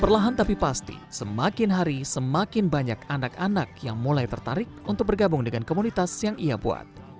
perlahan tapi pasti semakin hari semakin banyak anak anak yang mulai tertarik untuk bergabung dengan komunitas yang ia buat